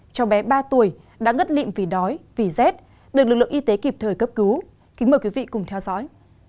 cháu bé ba tuổi đã ngất lịm vì đói vì z được lực lượng y tế kịp thời cấp cứu kính mời quý vị cùng theo dõi